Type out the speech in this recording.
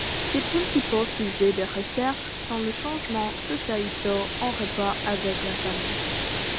Ses principaux sujets de recherche sont les changements sociétaux en rapport avec la famille.